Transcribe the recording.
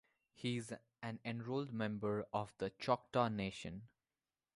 He is an enrolled member of the Choctaw Nation.